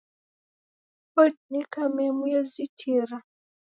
Odineka memu ye zitira